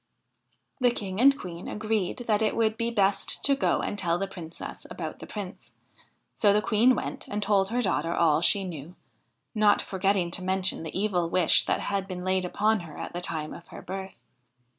The King and Queen agreed that it would be best to go and tell the Princess about the Prince ; so the Queen went and told her daughter all she knew, not forgetting to mention the evil wish that had been laid upon her at the time of her birth.